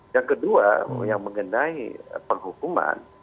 yang kedua yang mengenai penghukuman